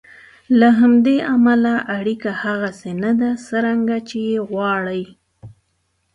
له همدې امله اړیکه هغسې نه ده څرنګه چې یې غواړئ.